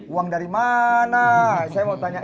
uang dari mana saya mau tanya